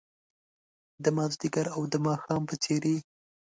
د مازدیګر او د ماښام په څیرې